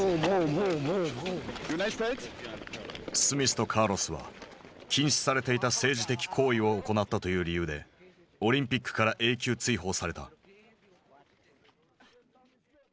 スミスとカーロスは禁止されていた政治的行為を行ったという理由でオリンピックから永久追放された。